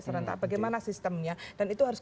serentak bagaimana sistemnya dan itu harus